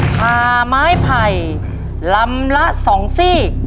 ผ่าไม้ไผ่ลำละ๒ซี่